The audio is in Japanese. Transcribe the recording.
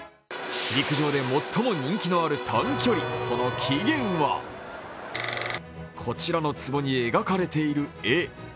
陸上で最も人気のある短距離、その起源はこちらのつぼに描かれている絵。